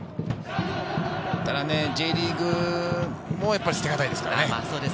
ただＪリーグも捨てがたいですからね。